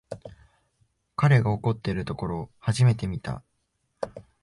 彼が怒ってるところ初めて見た